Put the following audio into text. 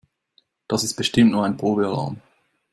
Das ist bestimmt nur ein Probealarm.